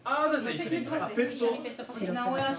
一緒に。